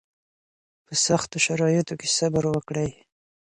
په سختو شرایطو کې صبر وکړئ